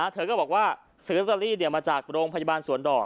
เธอก็บอกว่าซื้อลอตเตอรี่มาจากโรงพยาบาลสวนดอก